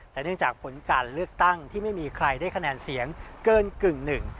แต่เนื่องจากผลการเลือกตั้งที่ไม่มีใครได้คะแนนเสียงเกินกึ่งหนึ่ง